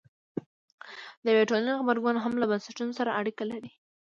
د یوې ټولنې غبرګون هم له بنسټونو سره اړیکه لري.